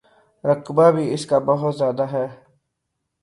رقبہ بھی اس کا بہت زیادہ ہے۔